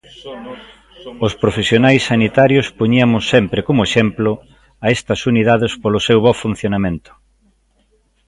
Os profesionais sanitarios "poñiamos sempre como exemplo" a estas unidades polo seu bo funcionamento.